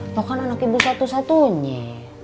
lo kan anak ibu satu satunya